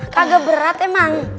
kagak berat emang